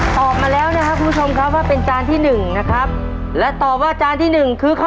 ผมเลยเลือก